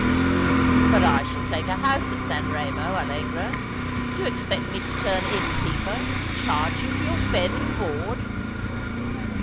" But I shall take a house at San Eemo, Allegra. Do you expect rne to turn innkeeper — charge you for your bed and board?"